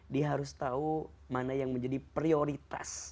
dia harus tahu mana yang menjadi prioritas